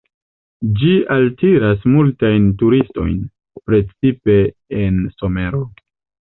Ĝi altiras multajn turistojn, precipe en somero.